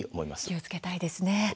気をつけたいですね。